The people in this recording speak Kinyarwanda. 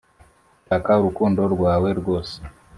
Nshaka urukundo rwawe rwose